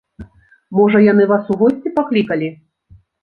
Можа, яны вас у госці паклікалі?